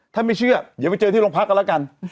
ถ้าไม่เชื่อเดี๋ยวไปเจอที่โรงพักกันแล้วกัน